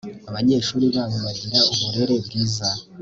abanyeshuri babo bagira uburere bwiza